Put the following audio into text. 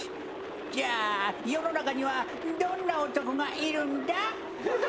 じゃあ世の中にはどんな男がいるんだ？